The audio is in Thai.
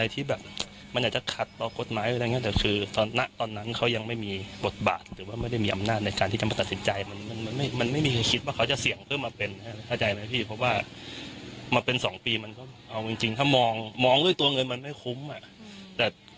แต่ผมก็เคยคุยแล้วเขาก็บอกกับผมตลอดนะว่า